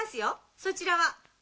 そちらは？